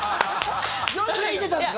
ついてたんです。